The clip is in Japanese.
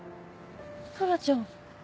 トラちゃん。